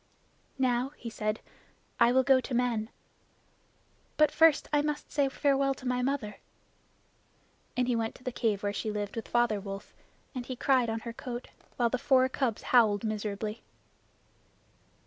"Now," he said, "I will go to men. But first I must say farewell to my mother." And he went to the cave where she lived with Father Wolf, and he cried on her coat, while the four cubs howled miserably.